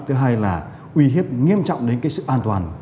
thứ hai là uy hiếp nghiêm trọng đến cái sự an toàn